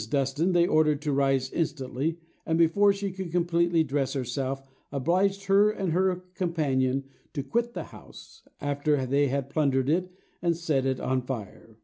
Dustan they ordered to rise instantly; and before she could completely dress herself, obliged her and her companion to quit the house, after they had plundered it and set it on fire.